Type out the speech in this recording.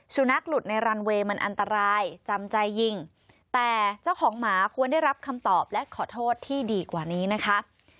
นักหลุดในรันเวย์มันอันตรายจำใจยิงแต่เจ้าของหมาควรได้รับคำตอบและขอโทษที่ดีกว่านี้นะคะ